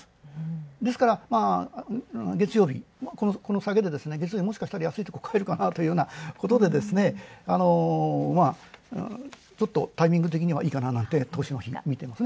ですから月曜日、この下げで、もしかしたら月曜日安いところ買えるかなというようなことでですね、ちょっとタイミング的にはいいかなと投資の日みてます。